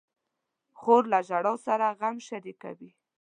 خور له ژړا سره غم شریکوي.